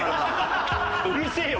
うるせえよ。